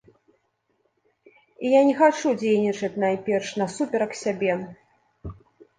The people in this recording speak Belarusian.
І я не хачу дзейнічаць найперш насуперак сабе.